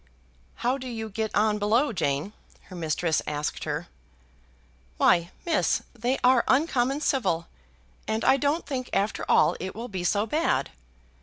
"How do you get on below, Jane?" her mistress asked her. "Why, miss, they are uncommon civil, and I don't think after all it will be so bad.